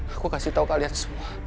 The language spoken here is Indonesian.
aku kasih tau kalian semua